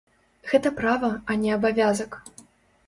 Гэта права, а не абавязак.